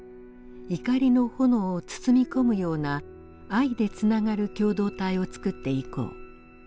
「怒りの炎を包み込むような愛でつながる共同体を作っていこう」。